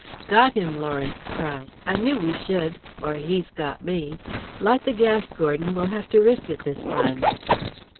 "Got him," Lawrence cried. "I knew we should. Or he's got me. Light the gas, Gordon; we'll have to risk it this time."